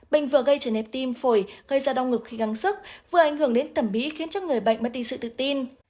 bệnh vừa gây trần đoán tim phổi gây ra đau ngực khi găng sức vừa ảnh hưởng đến tẩm bí khiến cho người bệnh mất đi sự tự tin